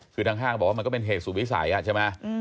คือทางห้างบอกว่ามันก็เป็นเหตุสูตรวิสัยใช่ไหม